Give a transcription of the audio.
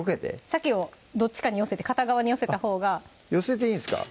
さけをどっちかに寄せて片側に寄せたほうが寄せていいんすか？